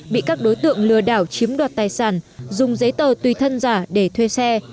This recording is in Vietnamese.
bị các đối tượng lừa đảo chiếm đoạt tài sản dùng giấy tờ tùy thân giả để thuê xe